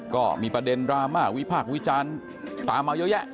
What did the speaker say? ก็มีประเด็นดราม่าวิพากษ์วิจารณ์ตามมาเยอะแยะ